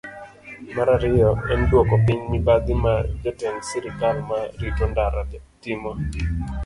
Mar ariyo, en dwoko piny mibadhi ma jotend sirkal ma rito ndara timo.